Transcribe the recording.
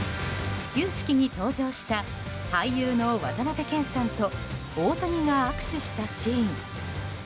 始球式に登場した俳優の渡辺謙さんと大谷が握手したシーン。